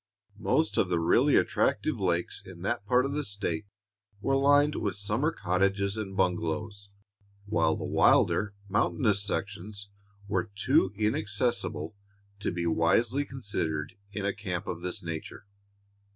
Most of the really attractive lakes in that part of the State were lined with summer cottages and bungalows, while the wilder, mountainous sections were too inaccessible to be wisely considered in a camp of this nature.